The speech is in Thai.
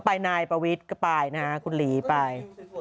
ปลายนายปวิทย์ก็ปลายนะครับคุณหลีปลาย